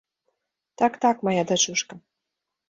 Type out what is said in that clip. Так, так, мая дачушка!